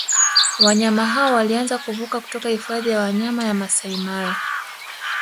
Wanyama hao walianza kuvuka kutoka Hifadhi ya Wanyama ya Maasai Mara